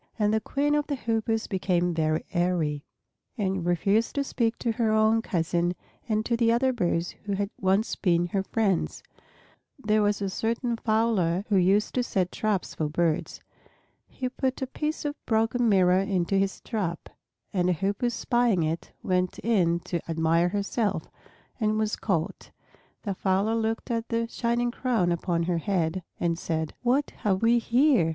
And the Queen of the Hoopoes became very airy, and refused to speak to her own cousin and to the other birds who had once been her friends. There was a certain fowler who used to set traps for birds. He put a piece of broken mirror into his trap, and a Hoopoe spying it went in to admire herself, and was caught. The fowler looked at the shining crown upon her head and said, "What have we here!